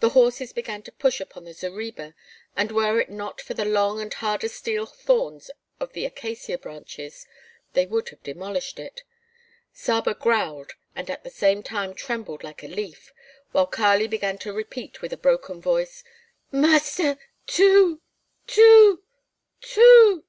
The horses began to push upon the zareba and were it not for the long and hard as steel thorns of the acacia branches, they would have demolished it. Saba growled and at the same time trembled like a leaf, while Kali began to repeat with a broken voice: "Master, two! two! two!"